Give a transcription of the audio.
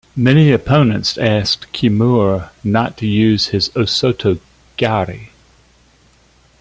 Many opponents asked Kimura not to use his osoto gari.